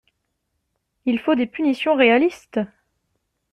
Il faut des punitions réalistes.